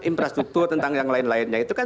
infrastruktur tentang yang lain lainnya itu kan